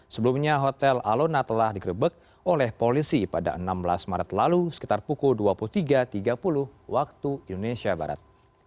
sebelumnya hotel alona telah digerebek oleh polisi pada enam belas maret lalu sekitar pukul dua puluh tiga tiga puluh waktu indonesia barat